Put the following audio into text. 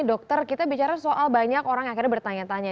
dokter kita bicara soal banyak orang akhirnya bertanya tanya